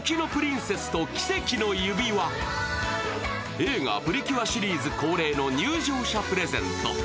映画「プリキュア」シリーズ恒例の入場者プレゼント。